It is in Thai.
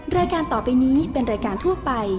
รายการต่อไปนี้เป็นรายการทั่วไป